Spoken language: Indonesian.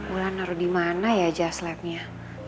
ulan naruh di mana ya jazz lab nya